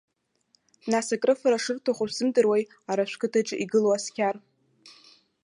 Нас, акрыфара шырҭаху шәзымдыруеи ара шәқыҭаҿы игылоу асқьар?